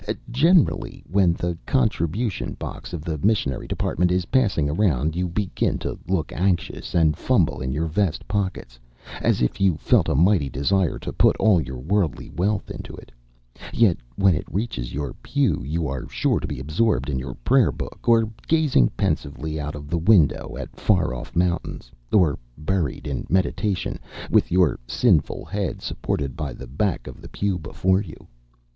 Generally, when the contribution box of the missionary department is passing around, you begin to look anxious, and fumble in your vest pockets, as if you felt a mighty desire to put all your worldly wealth into it yet when it reaches your pew, you are sure to be absorbed in your prayer book, or gazing pensively out of the window at far off mountains, or buried in meditation, with your sinful head supported by the back of the pew before you.